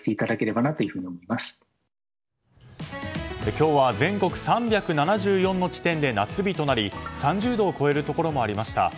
今日は、全国３７４の地点で夏日となり３０度を超えるところもありました。